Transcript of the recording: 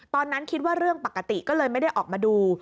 ตอนนั้นคิดว่าเรื่องปกติก็เลยไม่ได้ออกมาดู